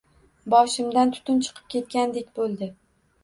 Boshimdan tutun chiqib ketgandek bo`ldi